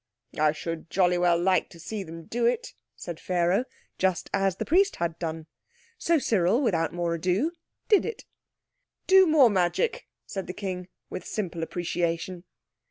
"I should jolly well like to see them do it," said Pharaoh, just as the priest had done. So Cyril, without more ado, did it. "Do more magic," said the King, with simple appreciation.